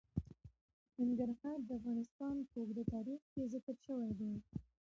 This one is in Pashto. ننګرهار د افغانستان په اوږده تاریخ کې ذکر شوی دی.